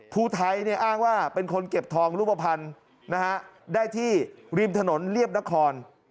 ภูไทยอ้างว่าเป็นคนเก็บทองรูปภัณฑ์ได้ที่ริมถนนเรียบนคร